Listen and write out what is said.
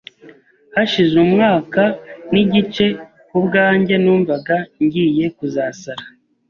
Hashije umwaka n’igice ku bwanjye numvaga ngiye kuzasara